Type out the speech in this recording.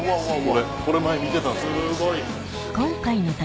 これ前見てたんです。